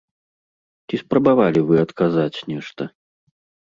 Ці спрабавалі вы адказаць нешта?